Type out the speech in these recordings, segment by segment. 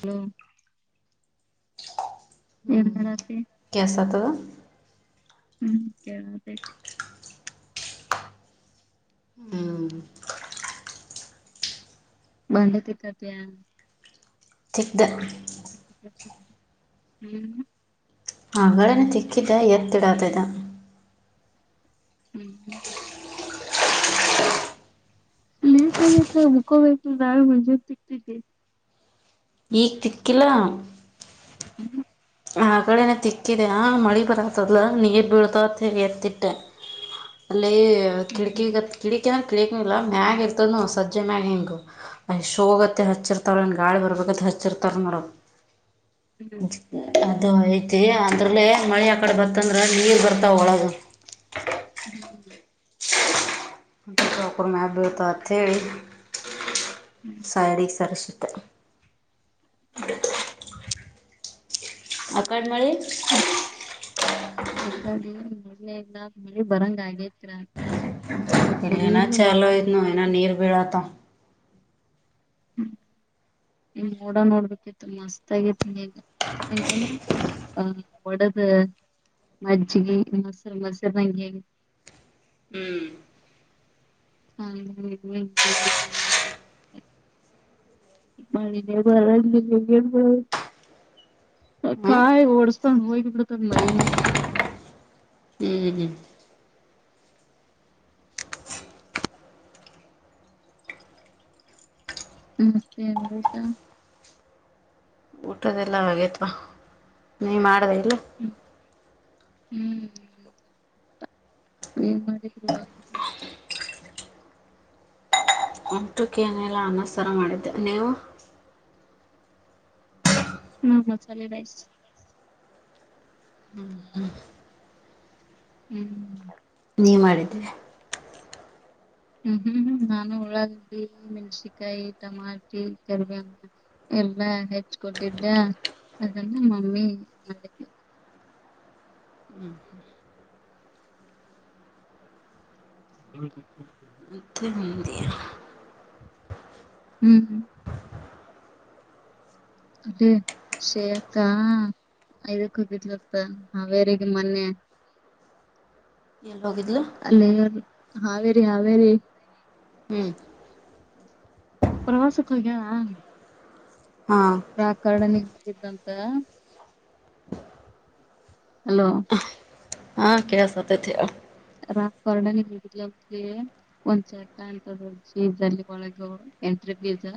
Hello ಏನ್ ಹ್ಮ ಮಾಡತಿ ಕೇಳ್ಸತದ ಹ್ಮ್ ಕೇಳದೇತೆ ಹ್ಮ್ ಬಂದುತಿತತ [unintelligible] [unintelligible] ಹ್ಮ್ ಆಗಡನೆ [unintelligible] ತಿಕ್ಕಿದ್ದ ಎತ್ತಿಡತದೆ ಹ್ಮ್ ಹ್ಮ್ [unintelligible] ಲೇಟ್್ರ [unintelligible] ಮುಖ [unintelligible] ನಾಳು ಮುಜೆತಿ [unintelligible] ಈಗ್ ತಿಕ್ಕಿಲ್ಲ ಹ್ಮ್ ಆ ಕಡೆನ ತಿಕ್ಕಿದೆ ಆ ಮಳೆ ಬರತ್ತದಲ ನೀರು ಬೀಳ್ತ ವಂತೆಳ್ಳಿ ಎತ್ತಟ್ಟೆ [inaudible] ಏ [unintelligible] ಹ್ಮ್ ಕಿಟಕಿ ಕಿಡಕಿ [unintelligible] ಲಿ ಇಲ್ಲ ಮ್ಯಾಗ್ ಇರ್ತದ ಸಜ ಮ್ಯಾಗ್ ಹೆಂಗ ಅ್ ಹೋಗತ್ತ ಹಚ್ಚಿರ್ತಾವ್ರ ಗಾಳಿ ಬರ್ಬೇಕ [unintelligible] ಚಿರ್ತ ಮಾಡ [unintelligible] ಹ್ಮ್ ಅದು ಐತಿ ಅದ್ರಲ್ಲೇ ಮಳೆ ಆ ಕಡೆ ಬತ್ತಂದ್ರೆ ನೀರು ಬರ್ತಾವ ಒಳಗ ಹ್ಮ್ [unintelligible] ಮ್ಯಾಲ್ ಬೋತ್ತವೊ ಅಂತೇಳ್ಳಿ ಹ್ಮ್ ಸಡಿ ಸರಸ ಹ್ಮ್ ಹ್ಮ್ ಅಕಡ್ [unintelligible] [unintelligible] ಯಏಕಾದ್ರೆ ಮೆ [unintelligible] ಎಲ್ಲ ಮಳಿ ಬರಂಗ ಆಗೇ ಇಲ್ಲೇನ [unintelligible] ಚಾಲೋ ಮಾಡ ಐತ್ ನೋಡ್ ಬಿ ಇನ್ನ [unintelligible] ನೀರ್ ಬೀಳತಾವ್ ಹ್ಮ್ಮ ನೋಡ ನೋಡ್ಬೇಕತ್ತು ಮಸ್ತ್ ಆಗೇತಿ ಈಗ. ಹೆಂಗಂದ್ರೆ ಹ ಒಡದು ಮಜ್ಜಿಗೆ ಮಸರು ಮಸರದಂಗಗೆ ಹ್ಮ್ ಹ್ಮ ಹ್ಮ ಹ್ಮ್ಮ [unintelligible] [unintelligible] ಮಣ [unintelligible] ಬರ [unintelligible] ಹ್ಮ್ ಕಾಯ ಓಳತಾನ [unintelligible] ಹಯ ಬಳ ತ [unintelligible] ಮಾಡಿ ನ [unintelligible] ಹ್ಮ್ [unintelligible] ಊಟದೆಲ್ಲ ಆಗೇತ್ವಾ ನೀ ಮಾಡದ ಇಲ್ಲ ಹ್ಮ್ ಹ್ಮ್ ಏನ್ ಮಾಡ ಊಟಕ್ಕೆನೆಲ್ಲ ಅನ್ನ ಸಾರ ಮಾಡಿದ್ದೆ ನೀವು ಹ್ಮ ಚಲ ಬಾಯ ಹ್ಮ್ ನೀವು ಮಾಡಿದ್ದೀನಿ ಹ್ಮ್ ಹ್ಮ್ ಹ್ಮ್ ನಾನು ಉಳ್ಳಾಗಡ್ಡಿ ಮೆಣಸಿಕಾಯಿ ಟಮಾಟಿ ಕರಿಬೇ ಎಲ್ಲಾ ಹೆಚ್ ಕೊಟ್ಟಿದ್ದ ಅದನ್ನ ಮಮ್ಮಿ ಮಾಡಿದ್ಳು ಹ್ಮ ಹ ಮತ್ತೆ ಹ ಮಂದಿ ಹ್ಮ್ ಹ್ಮ್ ಅದೇ ಶೇಕ್ಕ ಐದಕ್ ಹೋಗಿದಲತ್ತ ಹಾವೇರಿಗೆ ಮೊನ್ನೆ ಎಲ್ಲಿ ಹೋಗಿದ್ಲು ಅಲ್ಲೇ ಅದು ಹಾವೇರಿ ಹಾವೇರಿ ಹ್ಮ್ ಪ್ರವಾಸಕ್ಕೆ ಹೋಗ್ಯಾಳ ಹಾ ಪ್ರಾಕರಣ್ಗೆ ಬಿದ್ದಿದ್ಳಂತ ಹಲೋ ಹಾ ಕೇಳಸ್ತಾತೈತಿ ರಾಕ್ ವಾರ್ಡನ್ ಹೋಗಿದಂಳತೆ ಒಂದ್ ಚಟ ಅಂತಿ ಇದಲ್ಲಿ ಒಳಗ ಎಂಟ್ರಿ ಲಗೇಜಾ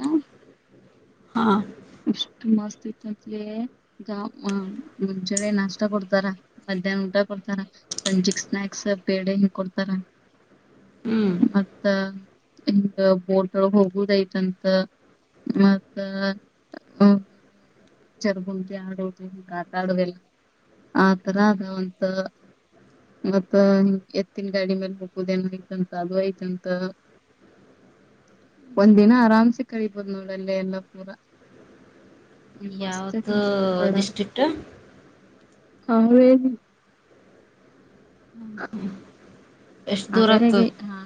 ಹಾ ಎಷ್ಟು ಮಸ್ತ್ ಇತ್ತ್ ಅಂತ್ ಲೇ ಗ ಮ ಮುಂಜಾನೆ ನಾಷ್ಟ ಕೊಡ್ತಾರ ಮಂದ್ ದ್ಯಾನ್ ಊಟ ಕೊಡ್ತಾರ ಸಂಜೆಕ್ ಸ್ನಾಕ್ಸ್ ಬೇಡ ಏನೋ ಕೊಡ್ತಾರ ಹ್ಮ್ ಮತ್ತ ಇಂಗ ಬೋಟೊ ಹೋಗುದೈತಂತ ಮತ್ತ ಆಮೇಲೆ ಚರ್ಬು ಬ್ಯಾಡೊ ಭೂಮಿ ಆಟ ಗಾತ ಆಡವೆಲ ಆತರ ಗವಂತೊ ಇವತ್ತೋ ಇನ್ ಎತ್ತಿನ ಗಾಡಿ ಮೇಲೆ ಹುಕುದ್ ಏನೋ ಐತ್ತಂತ ಅದು ಐತ್ತಂತ ಒಂದ್ ದಿನ ಆರಾಮ್ಸೆ ಕಳೀಬೋದ್ ನೋಡಿ ಅಲ್ಲಿ ಎಲ್ಲ ಪೂರ ಹ ಮಸ್ತ್ ಯಾವ್ದು ಐತ್ತಂತ್ ರ ಆಕಡೆ ಡಿಸ್ಟ್ರಿಕ್ಟ್ ಹ ಏನೂ ಹ ಎಷ್ಟ್ ದೂರ ಆಗ್ತದ ಅವರಗೆ ಹಾ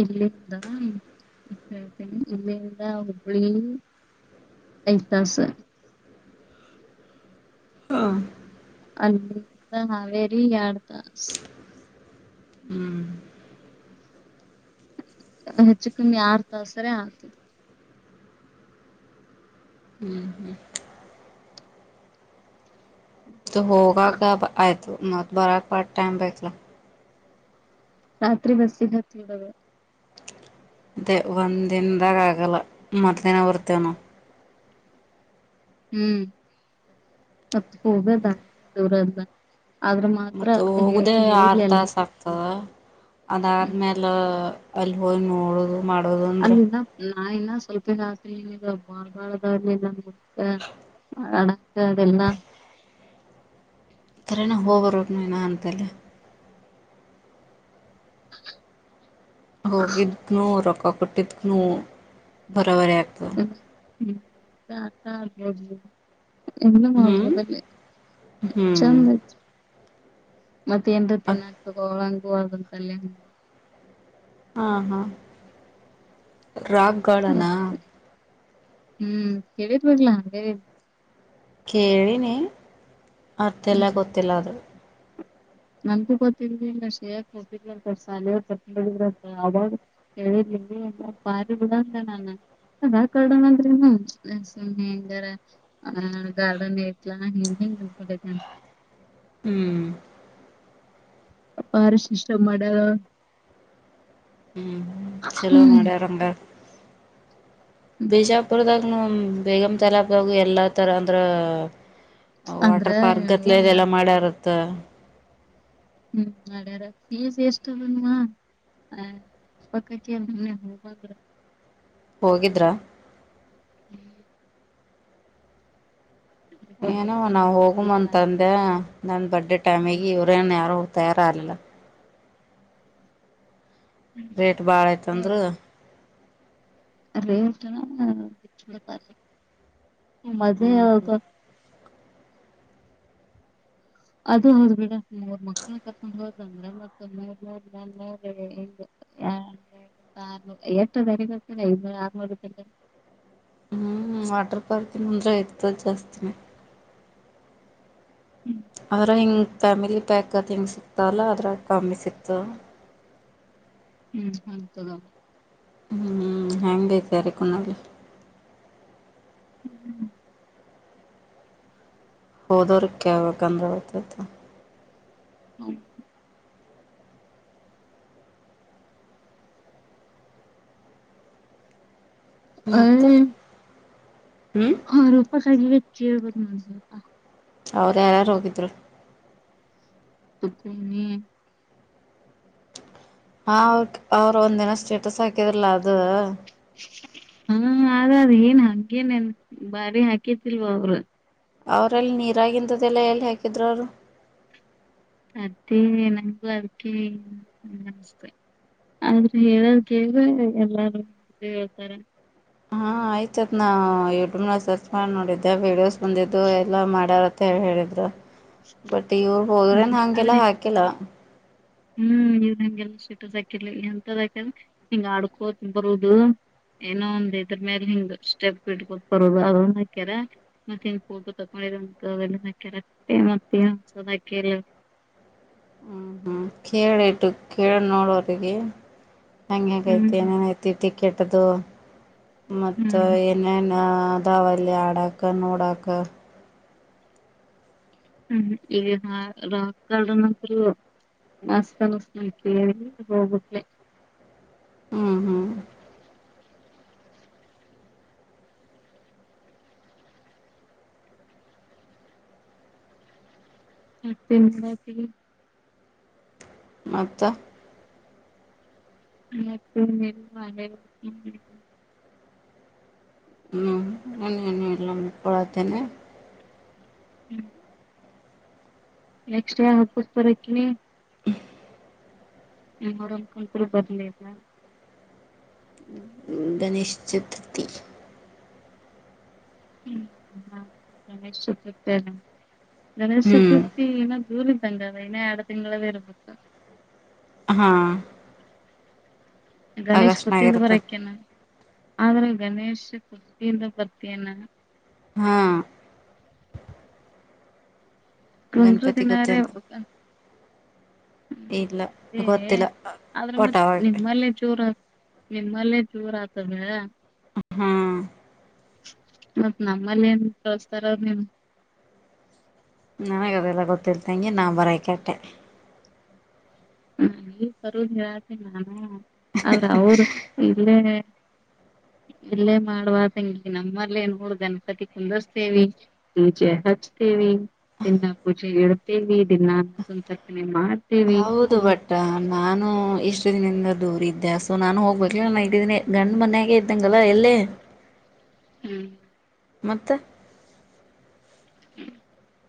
ಇಲ್ಲಿಂದ ಹೇಳ್ತೇನಿ ಇಲ್ಲಿಂದ ಹುಬ್ಬಳ್ಳಿ ಎಂಟ್ ತಾಸು ಹಾ ಅಲ್ಲಿಂದ ಹಾವೇರಿ ಎರಡ್ ತಾಸ್ ಹ್ಮ್ ಹೆಚ್ಚು ಕಮ್ಮಿ ಆರ್ ತಸರೆ ಆತ್ತದಿ ಹೋಗಾಕ ಆಯ್ತು ಮತ್ ಬರಕ ಟೈಮ್ ಬೇಕಲ್ಲ ರಾತ್ರಿ ಬಸ್ಸಿಗೆ ಹತ್ತ್ ಬುಡದೊ ಅದೇ ಒಂದ್ ದಿನ್ದಾಗ ಆಗಲ್ಲ ಮರ್ ದಿನ ಬರ್ತೀವ್ ನಾವು ಹ್ಮ್ ಮತ್ತ್ ಹೋಗೋ ದಾರಿಲ್ಲೇ ದೂರಲ್ಲ ಆದ್ರ ಮಾತ್ರ ಮತ್ತ ಹೋಗುದೇ ಆಕೆ ಹೇಳುವುದ್ ಆರು ಎಲ್ಲ ತಾಸ ಆಗ್ತದ ಅದಾದ್ಮೇಲೆ ಅಲ್ಲಿ ಹೋಗಿ ನೋಡುದು ಮಾಡೋದು ಅಂದ್ರೆ ನಾ ಇನ್ನ ಸ್ವಲ್ಪಿನ ದಿನ ತಿಂಗಳ್ ಬಾಳ್ ಬಾಳ ಬರಲಿಲ್ಲ ನೋಡಕ ಕಣಕ್ಕ ಅದೆಲ್ಲಾ ಥರನೆ ಹೋಗೋ ರೂಟ್ ಅಂತಲ್ಲ ಹೋಗಿದ್ನು ರೊಕ್ಕ ಕೊಟ್ಟಿಕ್ದ್ನು ಬರೋಬರಿ ಆಗ್ತದ ಹು ಹುಂ ತ ತಾ [unintelligible] ಎಲ್ಲಾ ಹ್ಮ್ ಮಾಡೋಡ್ಬೋದಲ್ಲೇ ಹ್ಮ್ ಚಂದ್ ಆಯ್ತು ಮತ್ತೆ ಏನ್ ತಿನ್ನಕ್ ಹಾ ತಗೊ ಹಂಗೂ ಹಗೊತ್ತಾಳೆಂದ್ ಹಾ ಹಾ ರಾಕ್ ಗಾರ್ಡನ್ ಅ ಹುಂ ಕೇಳಿದ್ ಬರ್ಲಾ ಹಾಗೆ ಕೇಳಿನಿ ಅರ್ಥಲ್ಲೆ ಗೊತ್ತಿಲ್ಲ ಅದು ನಂಗೂ ಗೊತ್ತಿದಿಲ್ಲ ಶೇಯ ಹೋಗಿದ್ದಲ್ಲ ಥರಾ ಸಲೆ ಸಾಲಿದ ಅವಾಗ ಹೇಳಿದ್ ಎ ಪರಿಬಿಡದ ನನ್ನ ಆಧಾರ್ ಕಾರ್ಡ ಅಗ ಆದರೇನು ಹಂಗಾರ ಗಾರ್ಡನ್ ಯತ್ನ ನಿನ್ನ [unintelligible] ಹ್ಮ್ ಅಪಾರಶ ಇಷ್ಟ ಮಾಡ ಹ್ಮ್ ಚಲೋ ಮಾಡ್ಯಾರಂಗ ಬಿಜಾಪುರದಾಗನು ಬೇಗಮ ತಲಾಬ್ದಾಗ ಎಲ್ಲಾ ತರ ಅಂದ್ರ ಅಂದ್ರ ವಾಟರ್ ಪಾರ್ಕ್ ಏನ್ ಗತ್ಲ ಗೊತ್ತಾ ಇದೆಲ್ಲಾ ಮಾಡ್ಯಾರತ್ತ ಹ್ಮ್ ಅ್ಯಾರ ಫೀಸ್ ಎಷ್ಟನುವಾ [unintelligible] ಹೋಗಿದ್ರಾ ಹ್ಮ್ ಏನವ ನಾವ ಹೋಗ್ ಅಂತಂದೆ ನನ್ ಬರ್ಡಡೆ ಟೈಮಗ ಇವ್ರೇನ್ ಯಾರು ತಯಾರಾರಲ್ಲ ರೇಟ್ ಭಾಳ ಐ್ತಂದ್ರ ಅ ಉಟನ ಬಿಟ್ಟಲ್ಲ ಪ ಮಜೆ ಹ್ಮ್ ಹದು ಅದ ಹೌದ್ ಬಿಡ ಮೂರ್ ಮಕ್ಳ ಕರ್ಕೊಂಡ್ ಹೋದಂದ್ರ ಮತ್ತ ೂ ಏತ್ತು ತರ ಇ ಆರನೂರು ತಿ [unintelligible] ಹ್ಮ್ ವಾಟರ್ ಪಾರ್ಕ ಅಂದ್ರೆ ಇರ್ತ್ದ್ ದ್ ಜಾಸ್ತಿನೇ ಆದ್ರ ಹಿಂಗ ಫ್ಯಾಮಿಲಿ ಪ್ಯಾಕ್ ಅದು ಹಿಂಗೆ ಸಿಕ್ತಲ್ಲ ಅದ್ರ ಕಮ್ಮಿ ಸಿಕ್ತದ ಹ್ಮ್ ಹೌತದ ಹ್ಮ್ ಹೆಂಗ ಐತ್ ಯಾರಿಗ್ ಖುನಾ ಅಲ್ಲ [unintelligible] ಹೋದವ್ರ ಕಾವಬೇಕಂದ್ರತತ ಹ್ಮ ಮತ್ತ ಹೆಯ್ ಹ್ಮ್ ಹ ರೋಪಕ್ಕಾಗಿ ಕೇಳ್ಬೋದು ನೋ ಸ್ವಲ್ಪ ಅವ್ರು ಯಾರಾರು ಹೋಗಿದ್ರು ನ ಹ ಅವ್ರ ಅವ್ರ ಒಂದಿನ ಸ್ಟೇಟಸ್ ಹಾಕಿದ್ರಲ ಅದು ಹಾ ಅದ್ ಏನ್ ಹಾಗೇನನ್ ಬಾರಿ ಹಾಕಿತಿಲ್ವ ಅವರು ಅವ್ರಲ್ಲಿ ನೀರಾಗಿಂದ ದೆಲ್ಲ ಎಲ್ಲಿ ಹಾಕಿದರು ಅವರು ಮತ್ತೆ ನಂಗ ಅದಕ್ಕೆಸ್ ಆದ್ರೆ ಹೇಳದ ಕೇಳಿದ್ರೆ ಎಲ್ಲಾರು ಹೇಳ್ತಾರೆ ಹಾ ಆಯ್ತತ್ ನಾ್ ಯೂಟ್ಯೂಬ್ ನ ಸರ್ಚ್ ಮಾಡಿ ನೋಡಿದ್ದೆ ವೀಡಿಯೋಸ್ ಬಂದಿದ್ದು ಎಲ್ಲಾ ಮಾಡಾರಂತ ಹೇಳಿ ಹೇಳಿದ್ರ ಬಟ್ ಇವರು ಹದ್ರೆನ್ ಹ್ಮ್ ಹಂಗೆಲ್ಲ ಆದ್ರೆ ಹಾಕಿಲ್ಲ ಹ್ಮ್ ಇವ್ ಹಂಗೆಲ್ಲ ಸ್ಟೇಟರ್ಸ್ ಹಾಕಿರ್ಲಿ ಎಂತದಾಕಿದ್ರ ಹಿಂಗ ಆಡ್ಕೋತ ಬರುದು ಏನೋ ಒಂದ್ ಇದ್ರ ಮೇಲ್ ಹಿಂಗ್ ಸ್ಟೆಪ್ ಇಟ್ಕೊತ್ ಬರೋದ್ ಅದು ಒಂದು ಹಾಕ್ಯರ ಮತ್ ಹಿಂಗ ಫೋಟೋ ತೊಕೊಂದ್.... ಇರ ಮತ್ತಸ ಅದಲ್ಲ [unintelligible] ಹ್ಮ್ ಹ್ಮ್ ಕೇಳಿ ಇಟ್ಟು ಕೇಳ್ ನೋಡೋರಿಗೆ. ಹ್ಮ್ ಹಂಗಂಗೈತಿ ಏನೇನ್ ಐತಿ ಟಿಕೆಟ್ದು ಮತ್ ಹ್ಮ್ ಏನೇನ್ ಆ ದಾವಲ್ಲಿ ಆಡಾಕ ನೋಡಾಕ ಹ್ಮ್ ಈ ರಾಕ್ ಗಾರ್ಡನ್ ಅಂತರು ಮಸ್ತ್ ಅನ್ಸುತ್ತೆ ಹೋಗುತ್ತ ಹ್ಮ್ ಹ್ಮ್ ಮತ್ತ ಮಾಡತಿರಿ ಮತ್ತ ಮತ್ತ ಯೆನ್ ಎಲ್ಲ ಪ್ಪಾ ಆದೆ ಮಾಡ [inaudible] ಹ್ಮ್ ನನ್ನ್ಣ ಎಲ್ಲ ಕೊಳತೇನೆ ಹ್ಮ್ ನೆಕ್ಸ್ಟ್ ಹಬ್ಬಕ್ ಬರಕ್ಿನಿ ಏನ್ ಮಾಡೋಣ್ [unintelligible] ಬರ್ಲೆಇಲ್ಲ ಗಣೇಶ್ ಚತುರ್ಥಿ [unintelligible] ಗಣೇಶ್ ಹ್ಮ್ ಚತುರ್ಥಿ ಇನ್ನ ಜೂನಿಂಗ್ ಬಂದಾವ ಇನ್ನ ಎರೆಡ್ ತಿಂಗಳ್ ಇರ್ಬೇಕ ಹಾ ಗಣೇಶ್ ಆಗಸ್ಟ್ನಾಗ [unintelligible] ಇರುತ್ತ ಬರಕ್ಕ್ ಏನ್ ಆದ್ರೆ ಗಣೇಶ್ ಕೃತಿಯಿಂದ ಬರ್ತೇನ ಹಾ [unintelligible] ಗಣಪತಿ ದಿನಾರೆ ಗೊತ್ತೇನ ಇಲ್ಲ ಹ್ಮ್ ಅದೇ ಗೊತ್ತಿಲ್ಲ ಆದ್ರ ಒಟ ಮತ್ತ್ ಅವಾಗ ನಿಮ್ಮಲ್ಲೇ ಜೋರ್ ನಿಮ್ಮಲ್ಲಿ ಚೂರ್ ಆತಾ ಮಳೆ ಹಾ ಮತ್ತ್ ನಮ್ಮಲ್ಲಿ ಏನ್ ಕಳಸ್ತಾರ ನೀಮ ನನಗ ಅದೆಲ್ಲ ಗೊತ್ತಿಲ್ ತಂಗಿ ನಾ ಬರಾಕಿ ಅಟ್ಟೆ [unintelligible] ಬರುದು ಹೇಳತಿ ನಾನು ಆದ್ರೆ ಅವ್ರ್ ಇಲ್ಲೇ [inaudible] ಇಲ್ಲೇ ಮಾಡುವದಂಗಿ ನಮ್ಮಲ್ಲ ಏನ್ ಹ ಗಣಪತಿ ಕುಂದರ್ಸ್ತೇವಿ ಪುಜೆ ಹಚ್ ದಿನ ಪೂಜೆ ಇಡ್ತೇವಿ ದಿನಾಸಂತರ್ಪನೆೆ ಮಾಡ ಹೌದು ಹೊಟ್ ನಾನು ಇಷ್ಟು ದಿನದಿಂದ ದೂರ ಇದ್ದೆ ಸೊ ನಾನು ಹೋಗ್ಬೇಕ ನಐಿನ ಗಂಡ್ ಮನ್ಯಾಗೆ ಇದ್ದಂಗ ಅಲ್ಲ ಎಲ್ಲೇ ಹ್ಮ್ ಮತ್ತ [inaudible]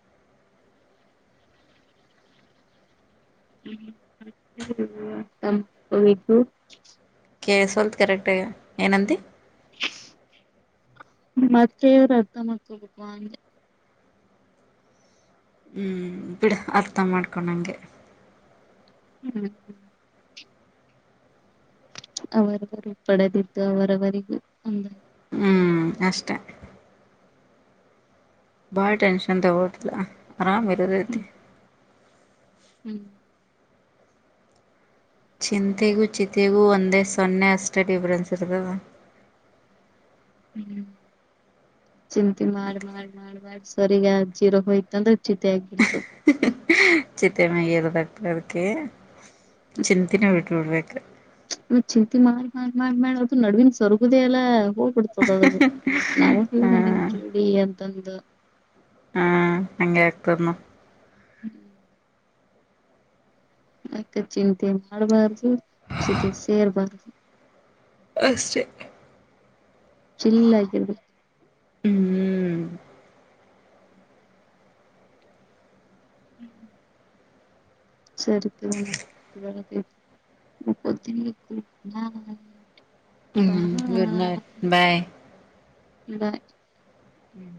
[unintelligible] ಕೆಸ್ವಲ್ತ್ ಕರೆಕ್ಟ [unintelligible] ಏನಂತಿ ಮತ್ತೆವ್ರ್ ಅರ್ಥ ಮಾಡ್ಕಬೇಕು ಅಂತ ಹ್ಮ್ ಬಿಡ ಅರ್ಥ ಮಾಡ್ಕೊಂಡಂಗೆ [unintelligible] ಅವರವರು ಪಡೆದಿದ್ದು ಅವರವರಿಗ ಹ್ಮ್ ಅಷ್ಟೇ ಬಾಳ ಟೆನ್ಷನ್ ತಗೋದಲ್ಲ ಆರಾಮ್ ಇರೊದತಿ ಹ್ಮ್ ಹ್ಮ್ ಚಿಂತೆಗೂ ಚಿಂತೆಗೂ ಒಂದೇ ಸೊನ್ನೆ ಅಷ್ಟೇ ಡಿಫ್ರನ್ಸ್ ಇರ್ತದ ಹ್ಮ ಚಿಂತೆ ಮಾಡಾ ಮಾಡಾ ಮಾಡ ಮಾಡಾಸ್ ಸರಿ [unintelligible] ಜೀರಾ ಹೋಯತ ಅಂದ್ರ ಚಿತಿ ಆಗ್ಬಿಡ್ತು ಚಿತೆ [unintelligible] ಅದಕ್ಕಿ ಚಿಂತಿನೆ ಬಿಟ್ ಬಿಡ್ಬೇಕ್ ಚಿಂತೆ ಮಾಡ್ ಮಾಡ್ ಮಾಡ್ ಮಾಡ್ ಅದು ನಡ್ವಿನ್ ಸೊರ್ಗುದೆ ಇಲ್ಲ ಹೋಗ್ಬಿಡ್ತದ ಅದ ನಾವವು ಎಲ್ಲ ಮನಿಮ ಜೋಡಿ ಅಂತಂದು ಹಾ ಹಂಗೆ [unintelligible] ನೋಡ್ ಹ್ಮ ಅಕ್ಕ ಚಿಂತೆ ಮಾಡ್ಬಾರ್ದು ಚಿತೆ ಸೇರ್ಬಾರ್ದು ಅಷ್ಟೇ ಚಿಲ್ಲಾಗಿರ್ಬೇಕು ಹ್ಞೂ ಹ್ಮ್ ಸರಿ [unintelligible] ಮಾಕೋತೀನಿ [unintelligible] ಬಾ ಹ್ಞೂ ಗುಡ್ ನೈಟ್ ಬಾಯ್ ಬ ಹ್ಮ್